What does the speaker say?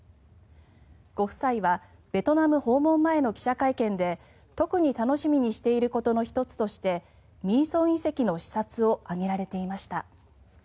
ご夫妻はベトナム訪問前の記者会見で特に楽しみにしていることの１つとしてミーソン遺跡の視察を挙げられていました。